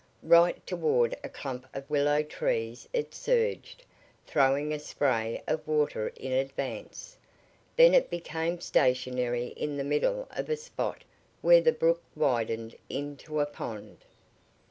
Right toward a clump of willow trees it surged, throwing a spray of water in advance. Then it became stationary in the middle of a spot where the brook widened into a pond.